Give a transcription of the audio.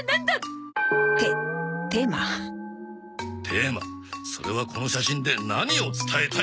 テーマそれはこの写真で何を伝えたいかだ！